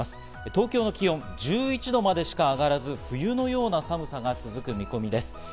東京の気温、１１度までしか上がらず冬のような寒さが続く見込みです。